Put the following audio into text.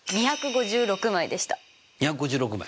２５６枚。